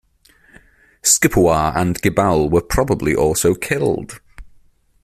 Scipuar and Gibal were probably also killed.